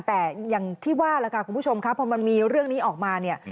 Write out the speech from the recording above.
แต่อย่างที่ว่าล่ะค่ะคุณผู้ชมครับพอมันมีเรื่องนี้ออกมาเนี่ย